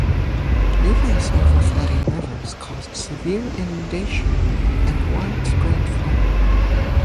Numerous overflowing rivers caused severe inundation and widespread flooding.